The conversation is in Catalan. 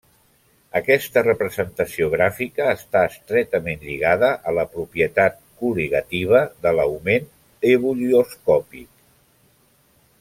Aquesta representació gràfica està estretament lligada a la propietat col·ligativa de l'augment ebullioscòpic.